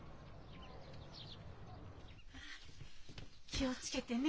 気を付けてね。